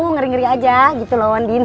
ngeri ngeri aja gitu lawan din